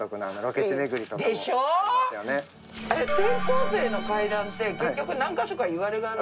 『転校生』の階段って結局何か所かいわれがある。